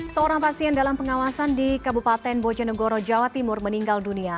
seorang pasien dalam pengawasan di kabupaten bojonegoro jawa timur meninggal dunia